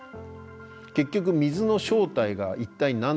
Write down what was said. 結局水の正体が一体何なのか。